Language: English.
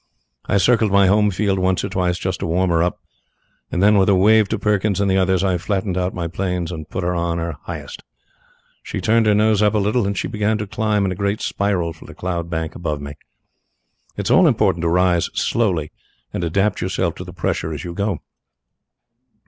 I circled my home field once or twice just to warm her up, and then with a wave to Perkins and the others, I flattened out my planes and put her on her highest. She skimmed like a swallow down wind for eight or ten miles until I turned her nose up a little and she began to climb in a great spiral for the cloud bank above me. It's all important to rise slowly and adapt yourself to the pressure as you go.